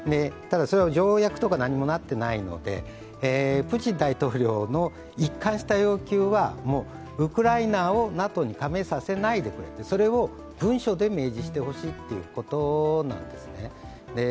ただそれを条約とか何にもなってないので、プーチン大統領の一貫した要求は、ウクライナをＮＡＴＯに加盟させないでくれそれを文書で明示してほしいということなんですね。